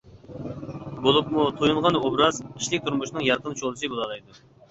بولۇپمۇ تويۇنغان ئوبراز كىشىلىك تۇرمۇشنىڭ يارقىن شولىسى بولالايدۇ.